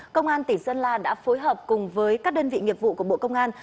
công an tỉ sơn la đã phối hợp cùng với các đơn vị nghiệp vụ của bộ công an